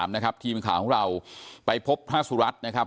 ที่เป็นข่าวของเราไปพบพระสุรัสตร์นะครับ